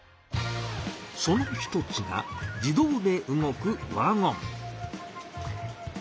その一つが自動で動くワゴン。